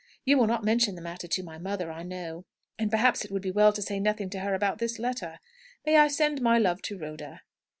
You will not mention the matter to my mother, I know. And, perhaps, it would be well to say nothing to her about this letter. May I send my love to Rhoda?"